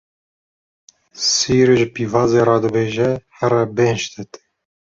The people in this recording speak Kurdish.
Sîr ji pîvazê re dibêje here bêhn ji te tê.